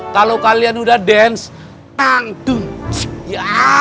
kalau kalian udah dance